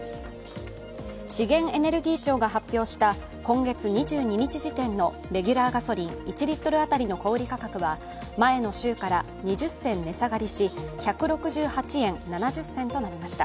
資源エネルギー庁が発表した今月２２日時点のレギュラーガソリン１リットルあたりの小売価格は前の週から２０銭値下がりし１６８円７０銭となりました。